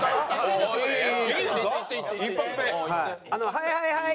「はいはいはい！」